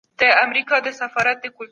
زموږ پوهه له خاورې راغلې.